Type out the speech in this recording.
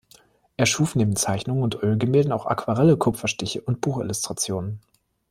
Er schuf neben Zeichnungen und Ölgemälden auch Aquarelle, Kupferstiche und Buchillustrationen.